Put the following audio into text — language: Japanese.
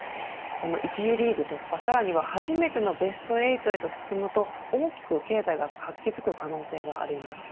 この１次リーグ突破さらには初めてのベスト８へと進むと大きく経済が活気づく可能性があります。